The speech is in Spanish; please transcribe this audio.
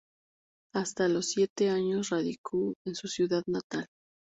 Hasta los siete años radicó en su ciudad natal.